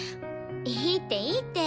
いいっていいって。